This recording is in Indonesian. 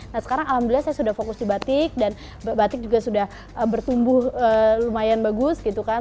nah sekarang alhamdulillah saya sudah fokus di batik dan batik juga sudah bertumbuh lumayan bagus gitu kan